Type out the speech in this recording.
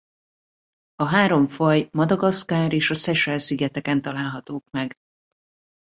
A három faj Madagaszkár és a Seychelle-szigeteken találhatók meg.